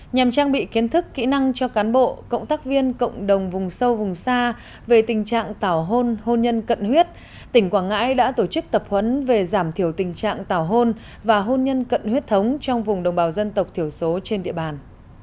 nhằm trang bị kiến thức kỹ năng cho cán bộ cộng tác viên cộng đồng vùng sâu vùng xa về tình trạng tảo hôn hôn nhân cận huyết tỉnh quảng ngãi đã tổ chức tập huấn về giảm thiểu tình trạng tảo hôn và hôn nhân cận huyết thống trong vùng đồng bào dân tộc thiểu số trên địa bàn